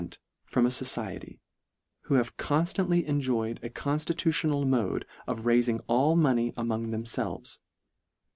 43 their confent from a fociety, who have con stantly enjoyed a constitutional mode of raid ing all money among themfelves.